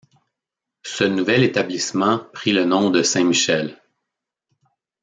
Ce nouvel établissement prit le nom de Saint-Michel.